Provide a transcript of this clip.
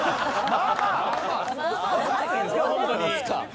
まあまあ。